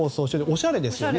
おしゃれですよね。